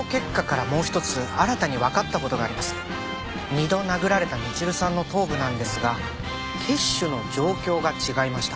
二度殴られたみちるさんの頭部なんですが血腫の状況が違いました。